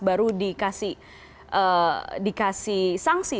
baru dikasih sanksi